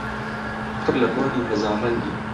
پڕ لە بۆنی هەزار ڕەنگی